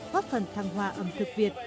góp phần thăng hoa ẩm thực việt